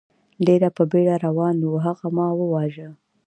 ډېر په بېړه روان و، هغه ما و واژه.